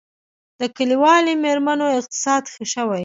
د کلیوالي میرمنو اقتصاد ښه شوی؟